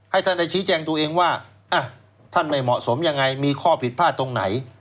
ให้ท่านได้ชี้แจงตัวเองว่าท่านไม่เหมาะสมยังไงมีข้อผิดพลาดตรงไหน